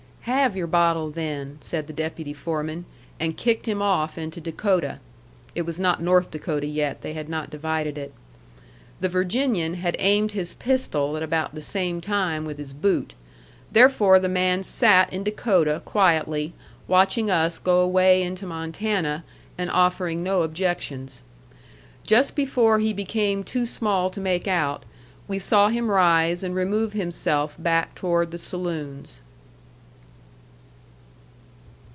"Have your bottle, then," said the deputy foreman, and kicked him off into Dakota. (It was not North Dakota yet; they had not divided it.) The Virginian had aimed his pistol at about the same time with his boot. Therefore the man sat in Dakota quietly, watching us go away into Montana, and offering no objections. Just before he became too small to make out, we saw him rise and remove himself back toward the saloons.